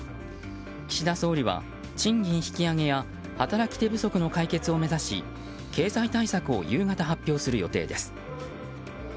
岸田総理は賃金引き上げや働き手不足の解決を目指し経済対策を夕方発表する予定です。